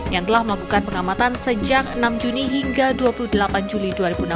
yang telah melakukan pengamatan sejak enam juni hingga dua puluh delapan juli dua ribu enam belas